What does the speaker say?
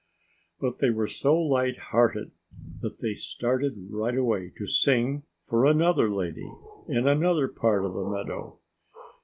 But they were so light hearted that they started right away to sing for another lady in another part of the meadow.